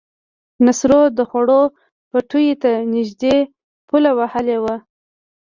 نصرو د خوړ پټيو ته نږدې پوله وهلې وه.